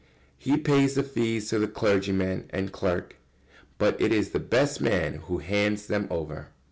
He pays the fees to clergyman and clerk, but it is the best man who hands them over.